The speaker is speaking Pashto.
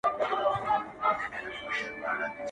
لکه مړی وو بې واکه سوی سکور وو؛